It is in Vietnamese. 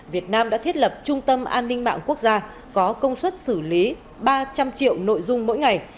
việt nam đã thiết lập trung tâm an ninh mạng quốc gia có công suất xử lý ba trăm linh triệu nội dung mỗi ngày